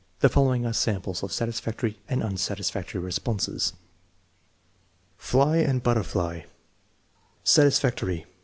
The following are samples of satisfactory and unsatisfactory responses: Fly and butterfly Satisfactory.